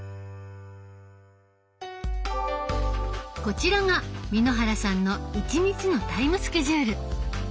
こちらが簑原さんの１日のタイムスケジュール。